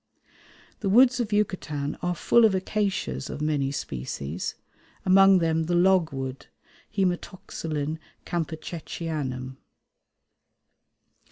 The woods of Yucatan are full of acacias of many species, among them the logwood (Hæmatoxylon campechianum).